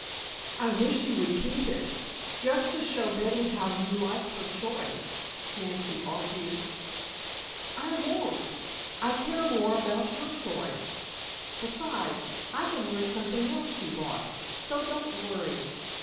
"I wish you would keep it. Just to show Betty how you liked her choice," Nancy argued. "I won't. I care more about your choice. Besides, I can wear something else she bought, so don't worry.